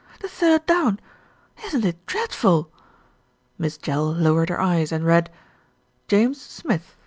"The third down. Isn't it dreadful?" Miss Jell lowered her eyes and read: JAMES SMITH.